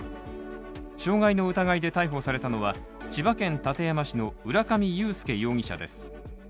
傷害の疑いで逮捕されたのは千葉県館山市の浦上裕介容疑者です。